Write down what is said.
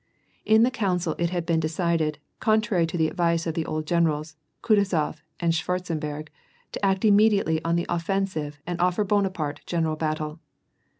In the council it had been decided, contrary to the advice of the old generals, Kutuzof and Schwartzen berg, to act immediately on the offensive and offer Bonaparte general battle.